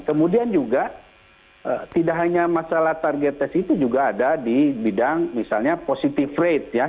kemudian juga tidak hanya masalah target tes itu juga ada di bidang misalnya positive rate ya